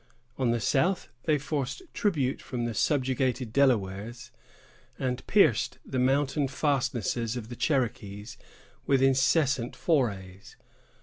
On the south, they forced tribute from the subjugated Delawares, and pierced the mountain fastnesses of the Cherokees with incessant forays.